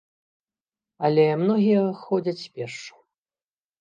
Але многія ходзяць пешшу.